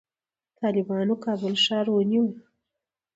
طالبانو کابل ښار ونیو